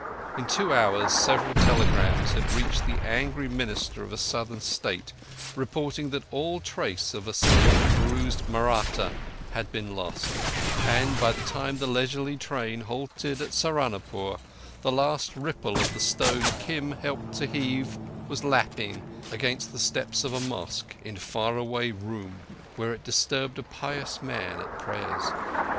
In two hours several telegrams had reached the angry minister of a southern State reporting that all trace of a somewhat bruised Mahratta had been lost; and by the time the leisurely train halted at Saharunpore the last ripple of the stone Kim had helped to heave was lapping against the steps of a mosque in far away Roum—where it disturbed a pious man at prayers.